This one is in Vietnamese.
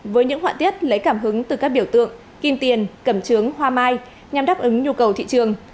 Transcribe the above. với những họa tiết lấy cảm hứng từ các biểu tượng kim tiền cẩm trướng hoa mai nhằm đáp ứng nhu cầu thị trường